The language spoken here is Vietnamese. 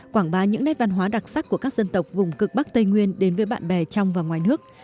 quảng bá những nét văn hóa đặc sắc của các dân tộc vùng cực bắc tây nguyên đến với bạn bè trong và ngoài nước